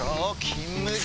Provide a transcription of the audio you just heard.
「金麦」